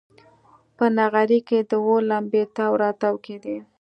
په نغري کې د اور لمبې تاو راتاو کېدې.